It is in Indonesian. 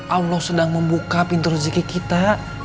allah sedang membuka pintu rezeki kita